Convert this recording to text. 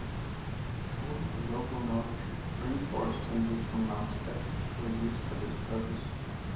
According to local knowledge rainforest timbers from Mount Spec were used for this purpose.